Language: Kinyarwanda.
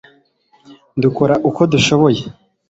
dukora uko dushoboye